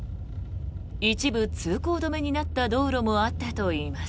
一部通行止めになった道路もあったといいます。